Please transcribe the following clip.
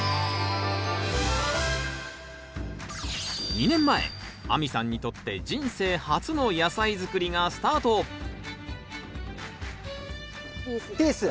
２年前亜美さんにとって人生初の野菜づくりがスタートピースで。